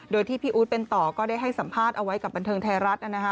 โดยที่พี่อู๊ดเป็นต่อก็ได้ให้สัมภาษณ์เอาไว้กับบันเทิงไทยรัฐ